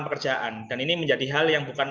pekerjaan dan ini menjadi hal yang bukan